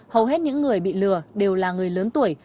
hầu hết những người bị lừa đều là người lớn tuổi